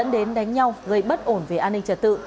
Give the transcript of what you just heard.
đánh nhau gây bất ổn về an ninh trật tự